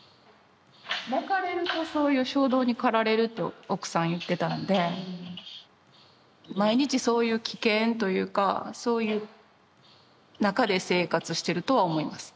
泣かれるとそういう衝動に駆られると奥さん言ってたんで毎日そういう危険というかそういう中で生活してるとは思います。